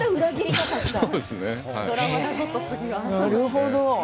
なるほど。